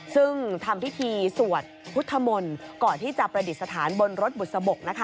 ซึ่งทำพิธีสวดพุทธมนต์ก่อนที่จะประดิษฐานบนรถบุษบกนะคะ